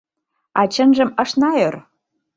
А чынжым ышна ӧр.